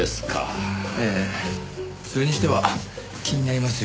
それにしては気になりますよね